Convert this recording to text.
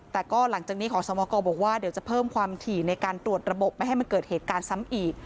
แต่ก็หลังจากนี้ขอสมกรบอกว่าเดี๋ยวจะเพิ่มความถี่ในการตรวจระบบไม่ให้มันเกิดเหตุการณ์ซ้ำอีก